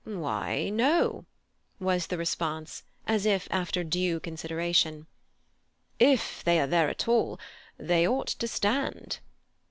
"Why, no," was the response, as if after due consideration. "If they are there at all they ought to stand."